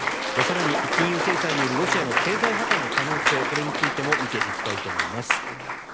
更に、金融制裁によるロシアの経済破たんの可能性についても見ていきたいと思います。